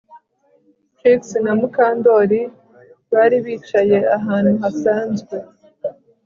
Trix na Mukandoli bari bicaye ahantu hasanzwe